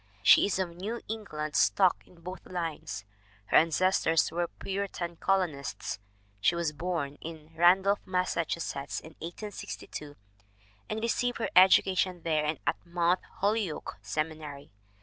She is of New England stock in both lines. Her ancestors were Puritan colonists. She was born in Randolph, Massachusetts, in 1862, and received her education there and at Mount Holyoke Seminary.